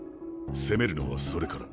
攻めるのはそれから。